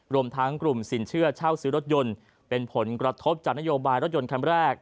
รวมทั้งกลุ่มสินเชื่อเช่าซื้อรถยนต์เป็นผลกระทบจากนโยบายรถยนต์คันแรก